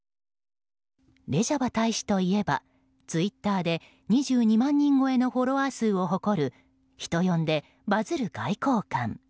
レジャバ大使といえばツイッターで２２万人超えのフォロワー数を誇る人呼んでバズる外交官。